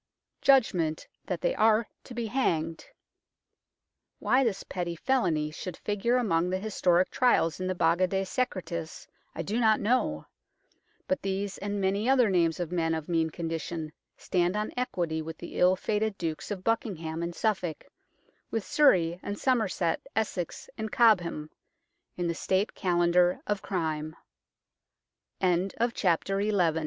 '' Judgment that they are to be hanged. '' Why this petty felony should figure among the historic trials in the Baga de Secretis I do not know, but these and many other names of men of mean condition stand on equality with the ill fated Dukes of Buckingham and Suffolk, with Surrey and Somerset, Essex and Cobham,